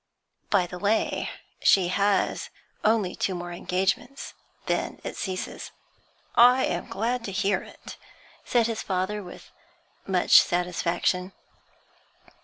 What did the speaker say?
'By the way, she has only two more engagements then it ceases.' 'I am glad to hear it,' said his father, with much satisfaction.